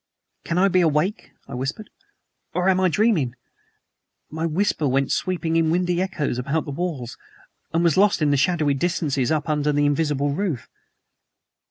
"'Can I be awake,' I whispered, 'or am I dreaming?' "My whisper went sweeping in windy echoes about the walls, and was lost in the shadowy distances up under the invisible roof.